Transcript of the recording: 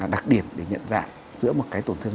đặc điểm để nhận dạng giữa một cái tổn thương